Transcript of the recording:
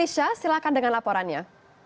silakan dengan laporannya